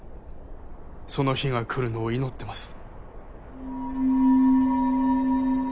その日が来るのを祈ってます。